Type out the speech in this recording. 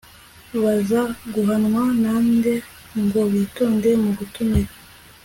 baza guhanwa na nde ngo bitonde mu gutamira